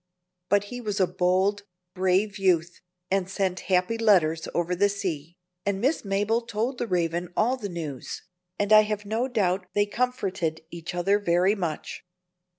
But he was a bold, brave youth, and sent happy letters over the sea, and Miss Mabel told the Raven all the news, and I have no doubt they comforted each other very much.